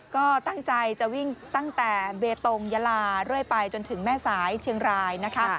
ก็ตั้งใจจะวิ่งตั้งแต่เบตงยาลาเรื่อยไปจนถึงแม่สายเชียงรายนะคะ